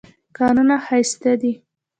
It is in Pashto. کانونه ښایسته دي.